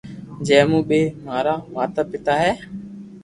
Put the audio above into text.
جي مون ٻي مارا ماتا پيتا ھي